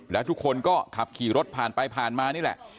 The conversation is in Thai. แล้วทุกคนก็ขับขี่รถผ่านไปผ่านมานี่แหละ